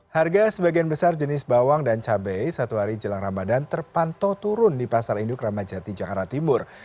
harga sebagian besar jenis bawang dan cabai satu hari jelang ramadan terpantau turun di pasar induk ramadjati jakarta timur